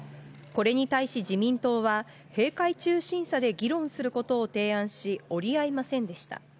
これに対して自民党は、閉会中審査で議論することを提案し、折り合いませんでした。